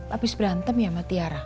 habis berantem ya matiara